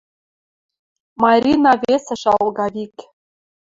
Марина весӹ шалга вик.